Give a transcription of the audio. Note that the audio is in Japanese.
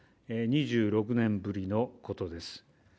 ２６年ぶりのことです。